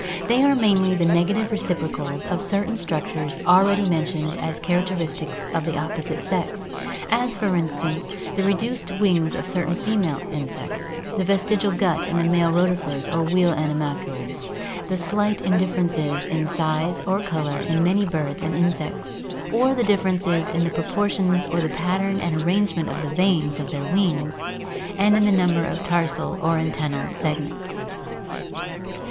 They are mainly the negative reciprocals of certain structures already mentioned as characteris tic of the opposite sex, as for instance, the reduced wings of certain female insects, the vestigial gut in the male rotifers or wheel ani malcules, the slight differences in size or color in many birds and insects, or the differences in the proportions or the pattern and arrangement of the veins of their wings and in the number of tarsal or antennal segments.